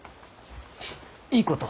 いいこと？